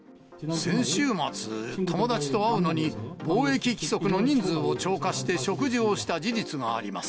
先週末、友達と会うのに防疫規則の人数を超過して食事をした事実があります。